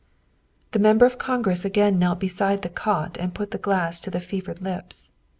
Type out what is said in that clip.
' The Member of Congress again knelt beside the cot and put the glass to the fevered lips.